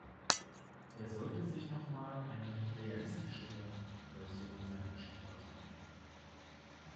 Er sollte sich noch mal eine realistischere Version seiner Geschichte ausdenken.